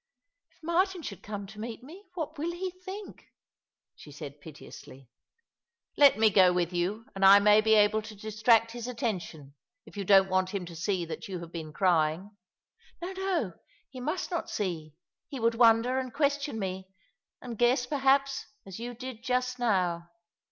" If Martin should come to meet me, what will he think ?she said piteously. *' Let me go with you, and I may be able to distract his attention — if you don't want him to see that you have been crying." "Xo, no. He must not see. He would wonder, and question me — and guess, perhaps— as you did just now.